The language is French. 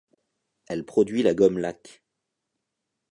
Elle produit la gomme-laque.